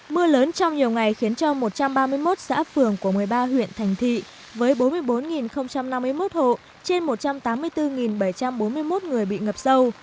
mưa lớn trong nhiều ngày khiến cho một trăm ba mươi một xã phường của một mươi ba huyện thành thị với bốn mươi bốn năm mươi một hộ trên một trăm tám mươi bốn bảy trăm bốn mươi một người bị ngập sâu